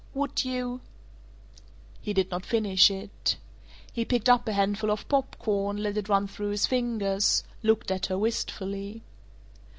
"Would you " He did not finish it. He picked up a handful of pop corn, let it run through his fingers, looked at her wistfully.